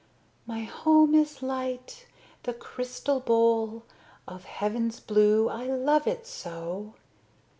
My home is Light. The crystal bowl Of Heaven's blue, I love it so!